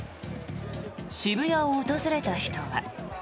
渋谷を訪れた人は。